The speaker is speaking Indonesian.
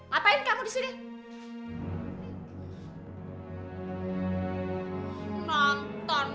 makasih ya bang